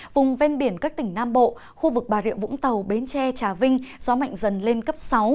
vùng ven biển các tỉnh nam bộ khu vực bà rịa vũng tàu bến tre trà vinh gió mạnh dần lên cấp sáu